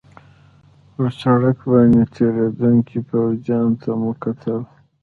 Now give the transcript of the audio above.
پر سړک باندې تېرېدونکو پوځیانو ته مو کتل.